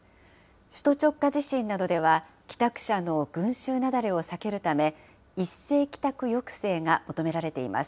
首都直下地震などでは帰宅者の群集雪崩を避けるため、一斉帰宅抑制が求められています。